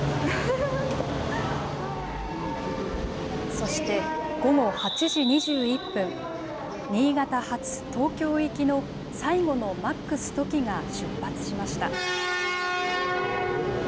そして午後８時２１分、新潟発東京行きの最後のＭａｘときが出発しました。